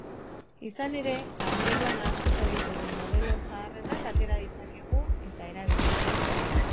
Izan ere, armairuan ahaztuta ditugun modelo zaharrenak atera ditzakegu eta erabili.